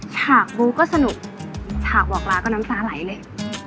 ฉากบูก็สนุกฉากบอกลาก็น้ำตาไหลเลย